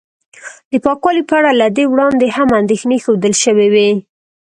د پاکوالي په اړه له دې وړاندې هم اندېښنې ښودل شوې وې